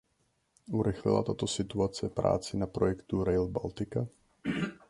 Urychlila tato situace práci na projektu Rail Baltica?